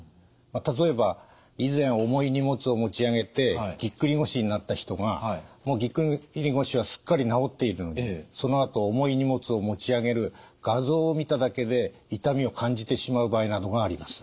例えば以前重い荷物を持ち上げてぎっくり腰になった人がもうぎっくり腰はすっかり治っているのにそのあと重い荷物を持ち上げる画像を見ただけで痛みを感じてしまう場合などがあります。